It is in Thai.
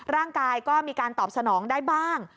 ร่างกายก็มีการตอบสนองได้บ้าง